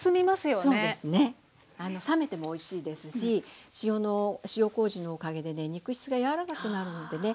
そうですね冷めてもおいしいですし塩こうじのおかげで肉質が柔らかくなるのでね